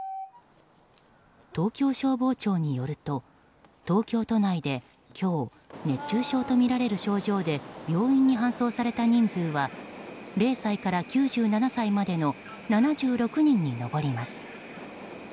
東京消防庁によると東京都内で今日、熱中症とみられる症状で病院に搬送された人数は０歳から９７歳までの７６人に上ります。